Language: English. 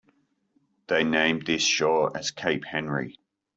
They named this shore as Cape Henry.